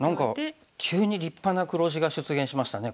急に立派な黒地が出現しましたね